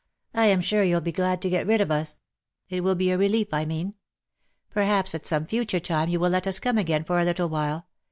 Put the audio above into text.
" I am sure you will be glad to get rid of us : it will be a relief, I mean. Perhaps at some future time you will let us come again for a little while.